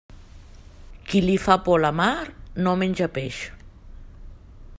Qui li fa por la mar no menja peix.